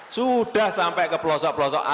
sudah sampai ke pelosok pelosok